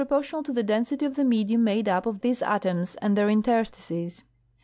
tional to the density of the medium made up of these atoms and their interstices.